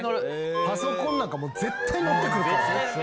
パソコンなんか絶対乗ってくるから。